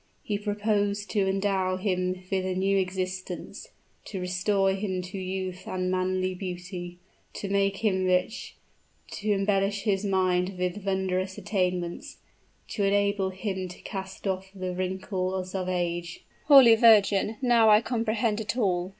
He proposed to endow him with a new existence to restore him to youth and manly beauty to make him rich to embellish his mind with wondrous attainments to enable him to cast off the wrinkles of age " "Holy Virgin! now I comprehend it all!"